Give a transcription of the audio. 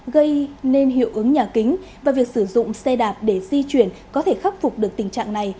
gây nên hiệu ứng nhà kính và việc sử dụng xe đạp để di chuyển có thể khắc phục được tình trạng này